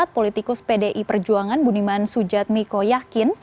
politikus pdi perjuangan buniman sujatmiko yakin